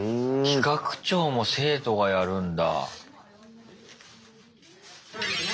企画長も生徒がやるんだ。